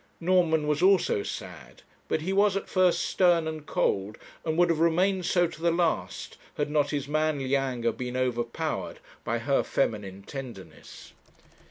Norman was also sad; but he was at first stern and cold, and would have remained so to the last, had not his manly anger been overpowered by her feminine tenderness.